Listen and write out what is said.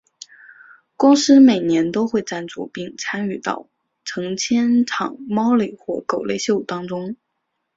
公司每年都会赞助并参与到成千场猫类或狗类秀当中。